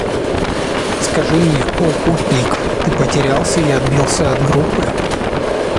Скажи мне, о путник, ты потерялся и отбился от группы?